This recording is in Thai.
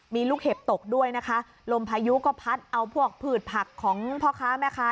มีลูกเห็บตกด้วยนะคะลมพายุก็พัดเอาพวกผืดผักของพ่อค้าแม่ค้า